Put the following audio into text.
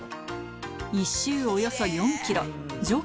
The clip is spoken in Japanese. １周およそ４キロ。